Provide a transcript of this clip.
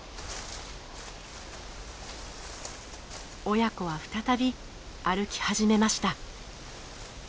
親子は再び歩き始めました。